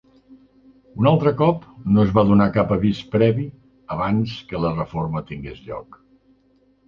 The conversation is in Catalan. Un altre cop, no es va donar cap avís previ abans que la reforma tingués lloc.